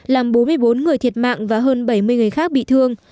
làm bốn mươi bốn người thiệt mạng và hơn bảy mươi người khác bị thương